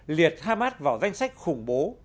liệt hamas vào danh sách khủng bố